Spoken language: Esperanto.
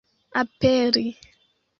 aperi